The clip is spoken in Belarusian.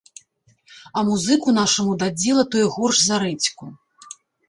А музыку нашаму дадзела тое горш за рэдзьку.